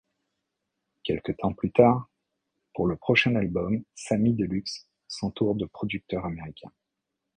Quelque temps plus tard, pour le prochain album Samy Deluxe s'entoure de producteurs américains.